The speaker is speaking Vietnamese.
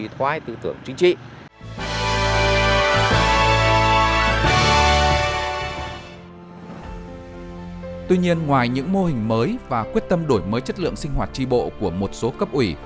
tuy nhiên ngoài những mô hình mới và quyết tâm đổi mới chất lượng sinh hoạt tri bộ của một số cấp ủy